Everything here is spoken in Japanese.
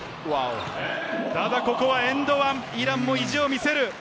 ただここはエンド１、イランも意地を見せる。